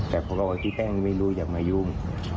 แต่พ่อพ๊อก็ว่าพี่แป้งไม่รู้อยากมายุ่ง